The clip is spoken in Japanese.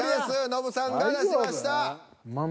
ノブさんが出しました。